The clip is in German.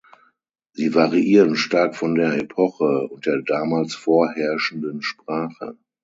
Sie variieren stark von der Epoche und der damals vorherrschenden Sprache.